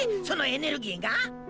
そのエネルギーが？